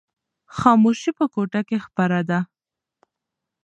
خاموشي په کوټه کې خپره ده.